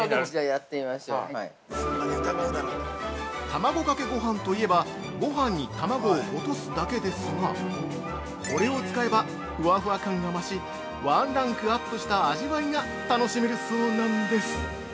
◆卵かけごはんといえばごはんに卵を落とすだけですがこれを使えば、ふわふわ感が増しワンランクアップした味わいが楽しめるそうなんです。